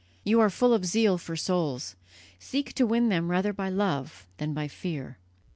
You are full of zeal for souls: seek to win them rather by love than by fear.